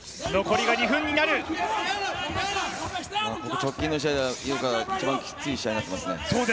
直近の試合では井岡一番きつい試合になっていますね。